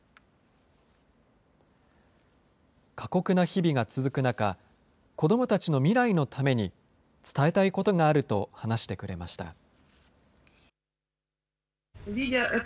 過酷な日々が続く中、子どもたちの未来のために、伝えたいことがあると話してくれました。